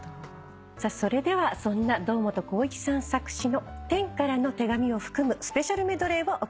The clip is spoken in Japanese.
それではそんな堂本光一さん作詞の『天からの手紙』を含むスペシャルメドレーをお聴きください。